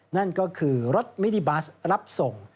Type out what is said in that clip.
นั่นก็คือรถมินิบัสรับส่ง